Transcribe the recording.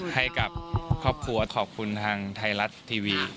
ให้กับครอบครัวขอบคุณทางไทยรัฐทีวี